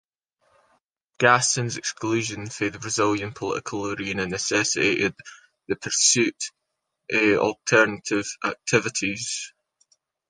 Gaston's exclusion from the Brazilian political arena necessitated the pursuit of alternate activities.